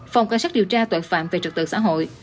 phòng cảnh sát điều tra tội phạm về trật tự xã hội